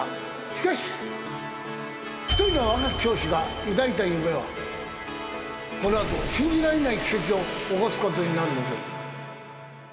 しかし一人の若き教師が抱いた夢はこの後信じられない奇跡を起こすことになるのです。